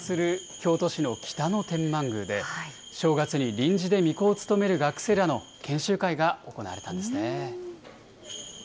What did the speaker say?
京都市の北野天満宮で、正月に臨時でみこを務める学生らの研修会が行われたんですね。